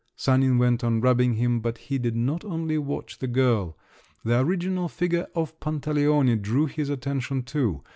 Sanin went on rubbing him, but he did not only watch the girl. The original figure of Pantaleone drew his attention too.